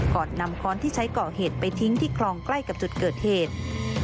ก่อนนำค้อนที่ใช้ก่อเหตุไปทิ้งที่คลองใกล้กับจุดเกิดเหตุ